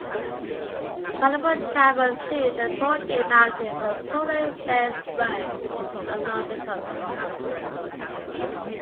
Caribou travel through the Torngat Mountains, and polar bears roam along the coast.